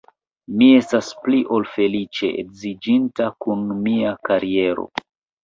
Mi estas pli ol feliĉe edziĝinta kun mia kariero.